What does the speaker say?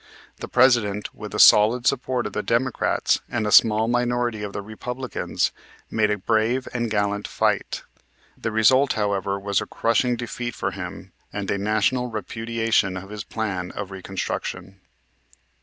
The President, with the solid support of the Democrats and a small minority of the Republicans, made a brave and gallant fight. The result, however, was a crushing defeat for him and a national repudiation of his plan of reconstruction.